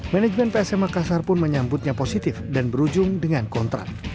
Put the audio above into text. manajemen psm makassar pun menyambutnya positif dan berujung dengan kontrak